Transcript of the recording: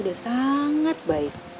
udah sangat baik